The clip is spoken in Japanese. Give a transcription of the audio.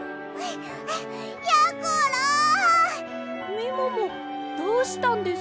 みももどうしたんです？